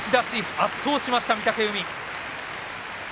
圧倒しました、御嶽海。